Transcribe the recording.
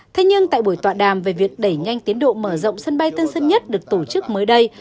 thế nhưng tại buổi tọa đàm về việc đẩy nhanh tiến độ mở rộng sân bay tân sân nhất được tổ chức mới đây